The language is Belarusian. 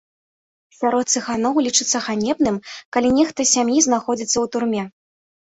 Сярод цыганоў лічыцца ганебным, калі нехта з сям'і знаходзіцца ў турме.